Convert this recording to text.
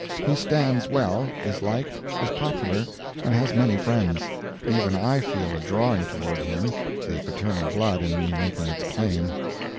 He stands well, is liked, is popular, and has many friends. Even I feel a drawing toward him the paternal blood in me making its claim.